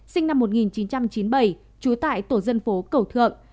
sinh năm một nghìn chín trăm chín mươi bảy trú tại tổ dân phố cầu thượng